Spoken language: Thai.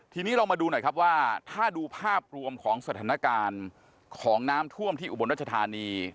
ทีนี้เรามาดูหน่อยครับว่าถ้าดูภาพรวมของสถานการณ์ของน้ำท่วมที่อุบลรัชธานี